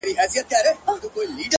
هغې ويل ه ځه درځه چي کلي ته ځو ـ